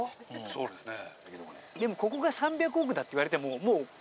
そうですね。